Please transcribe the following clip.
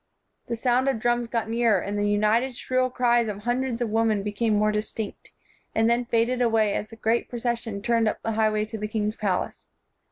"The sound of drums got nearer, and the united shrill cries of hundreds of women became more distinct, and then faded away as the great procession turned up the high way to the king's palace.